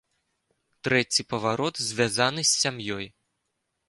Трэці паварот звязаны з сям'ёй.